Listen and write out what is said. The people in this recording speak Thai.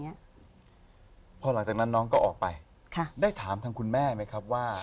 พอหลังจากนั้นน้องก็ออกไปค่ะได้ถามทางคุณแม่ไหมครับว่า